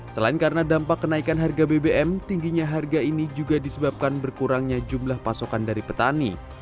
selain karena dampak kenaikan harga bbm tingginya harga ini juga disebabkan berkurangnya jumlah pasokan dari petani